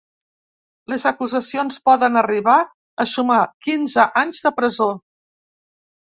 Les acusacions poden arribar a sumar quinze anys de presó.